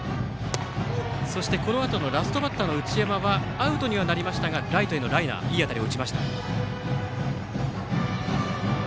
そして、このあとラストバッターの内山はアウトにはなりましたがライトへのライナーいい当たりを打ちました。